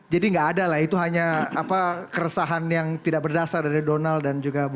jadi enggak ada lah itu hanya apa keresahan yang tidak berdasar dari donald dan juga bu bro